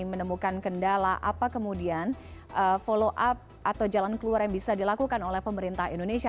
menemukan kendala apa kemudian follow up atau jalan keluar yang bisa dilakukan oleh pemerintah indonesia